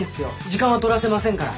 時間はとらせませんから。